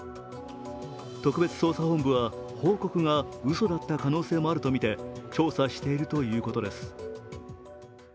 特別捜査本部は、報告がうそだった可能性もあるとみて調査しているということです。